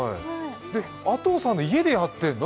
阿藤さんの家でやってるの？